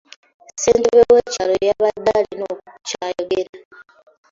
Ssentebe w'ekyalo yabadde alina ky'ayogera.